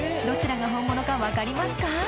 どちらが本物か分かりますか？